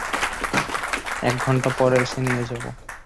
একঘন্টা পরে এসে নিয়ে যাব।